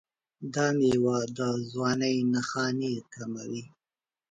دا میوه د ځوانۍ نښانې کموي.